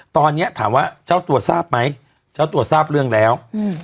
ตอนนี้ถามว่าเจ้าตัวทราบไหมเจ้าตัวทราบเรื่องแล้ว